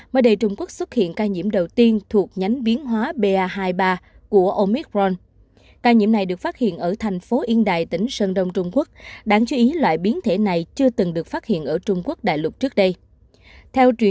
hãy đăng ký kênh để ủng hộ kênh của chúng mình nhé